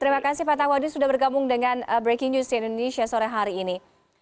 terima kasih pak tawadi sudah bergabung dengan breaking news di indonesia sore hari ini